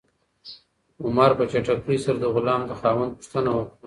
عمر په چټکۍ سره د غلام د خاوند پوښتنه وکړه.